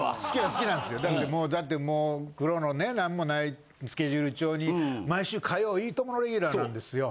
好きなんですよだってもう黒のね何もないスケジュール帳に毎週火曜『いいとも！』のレギュラーなんですよ。